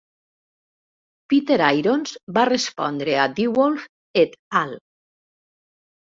Peter Irons va respondre a DeWolf et al.